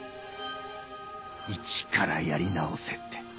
一からやり直せって。